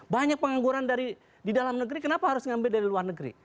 banyak pengangguran di dalam negeri kenapa harus mengambil dari luar negeri